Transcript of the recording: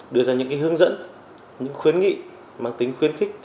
đưa ra những hướng dẫn những khuyến nghị mang tính khuyến khích